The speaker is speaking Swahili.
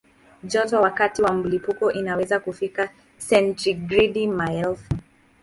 Joto wakati wa mlipuko inaweza kufikia sentigredi maelfu.